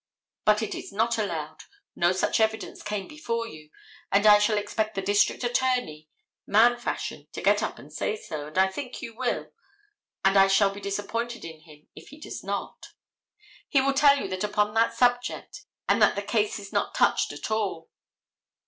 But it is not allowed: no such evidence came before you, and I shall expect the district attorney, man fashion, to get up and say so, and I think you will, and I shall be disappointed in him if he does not. He will tell you that upon that subject, and that the case is not touched at all.